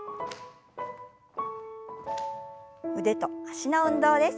腕と脚の運動です。